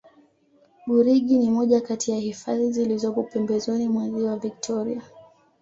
burigi ni moja Kati ya hifadhi zilizopo pembezoni mwa ziwa victoria